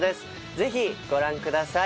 ぜひご覧ください。